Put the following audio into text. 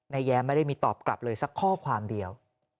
แย้มไม่ได้มีตอบกลับเลยสักข้อความเดียว